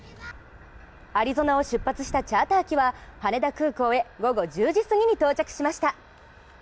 アリゾナを出発したチャーター機は羽田空港へ午後１０時すぎに到着しました。